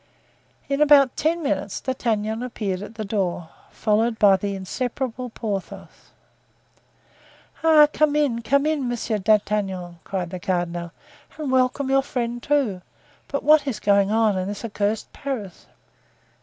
In about ten minutes D'Artagnan appeared at the door, followed by the inseparable Porthos. "Ah, come in, come in, Monsieur d'Artagnan!" cried the cardinal, "and welcome your friend too. But what is going on in this accursed Paris?"